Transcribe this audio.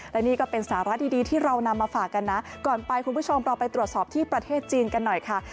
และนี่ก็เป็นสาระดีที่เรานำมาฝากกันนะก่อนไปคุณผู้ชมเราไปตรวจสอบที่ประเทศจีนกันหน่อยค่ะ